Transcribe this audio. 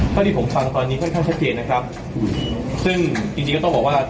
เท่าที่ผมฟังตอนนี้ค่อนข้างชัดเจนนะครับซึ่งจริงจริงก็ต้องบอกว่า